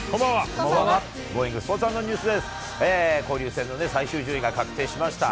交流戦の最終順位が確定しました。